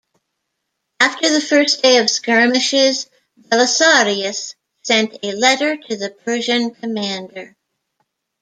After the first day of skirmishes, Belisarius sent a letter to the Persian commander.